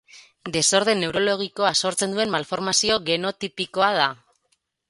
Desorden neurologikoa sortzen duen malformazio genotipikoa da.